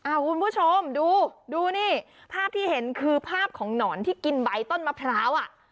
คุณผู้ชมดูดูนี่ภาพที่เห็นคือภาพของหนอนที่กินใบต้นมะพร้าวอ่ะ